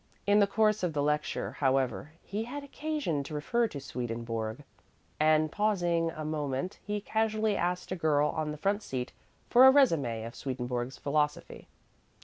In the course of the lecture, however, he had occasion to refer to Swedenborg, and, pausing a moment, he casually asked a girl on the front seat for a résumé of Swedenborg's philosophy.